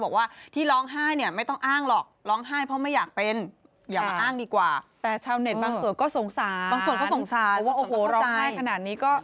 บางส่วนก็สงสารเพราะว่าโอ้โหร้องไห้ขนาดนี้ก็